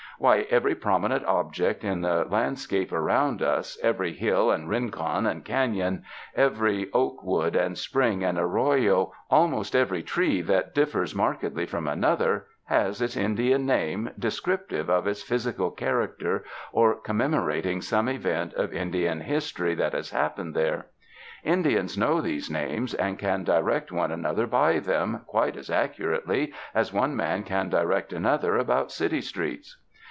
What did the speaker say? Why, every prominent object in the landscape around us, every hill and rincon and canon, every oak wood and spring and arroyo, almost every tree that dif fers markedly from another, has its Indian name descriptive of its physical character or commemo rating some event of Indian history that has hap pened there. Indians know these names and can direct one another by them quite as accurately as one man can direct another about city streets.